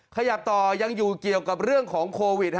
ขยับต่อยังอยู่เกี่ยวกับเรื่องของโควิด